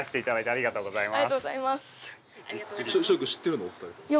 ありがとうございます。